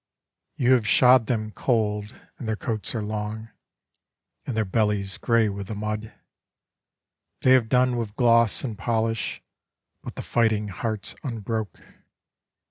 You have shod them cold, and their coats are long, and their bellies gray with the mud; They have done with gloss and polish, but the fighting heart's unbroke.